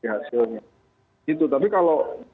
hasilnya gitu tapi kalau